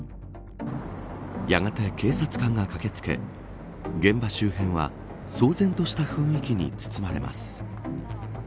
やがて、警察官が駆け付け現場周辺は騒然とした雰囲気に包まれます。